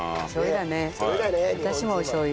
私もおしょう油。